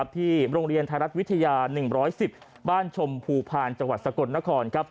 ที่โรงเรียนไทยรัฐวิทยา๑๑๐บ้านชมภูพาลจังหวัดสกลนคร